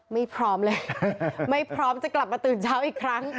ไม่พร้อมเลยไม่พร้อมจะกลับมาตื่นเช้าอีกครั้ง